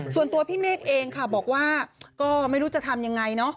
ส่วนตัวพี่เมฆเองค่ะบอกว่าก็ไม่รู้จะทำยังไงเนอะ